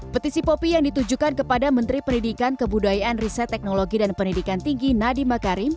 petisi popi yang ditujukan kepada menteri pendidikan kebudayaan riset teknologi dan pendidikan tinggi nadiem makarim